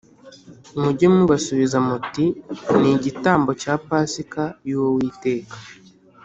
Mujye mubasubiza muti ‘Ni igitambo cya Pasika y’Uwiteka